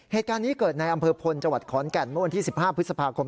เหตุการณ์นี้เกิดในอำเภอพลจังหวัดขอนแก่นเมื่อวันที่๑๕พฤษภาคม